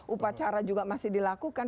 upacara juga masih dilakukan